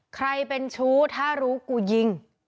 ใครเป็นชู้ถ้ารู้กูยิง